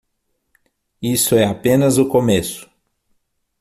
Isso é apenas o começo.